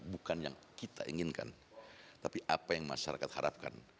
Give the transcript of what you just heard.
bukan yang kita inginkan tapi apa yang masyarakat harapkan